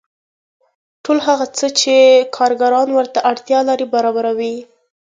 ټول هغه څه چې کارګران ورته اړتیا لري برابروي